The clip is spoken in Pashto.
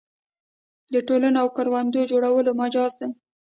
د ټولنو او ګوندونو جوړول مجاز دي.